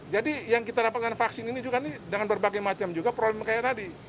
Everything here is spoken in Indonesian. jadi yang kita dapatkan vaksin ini juga nih dengan berbagai macam juga problem kayak tadi